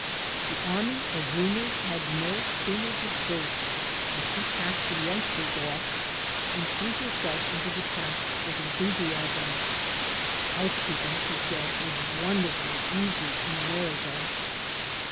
The army of roomers had no sooner dispersed than she packed the youngsters oflF and threw herself into the task with enthusiasm. "Housekeeping," said she, "is wonderfully easy in America."